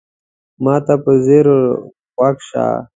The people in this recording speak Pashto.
ما ته په ځیر غوږ شه !